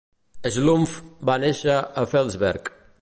Schlumpf va néixer a Felsberg.